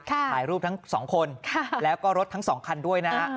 ถ่ายรูปทั้งสองคนแล้วก็รถทั้ง๒คันด้วยนะฮะ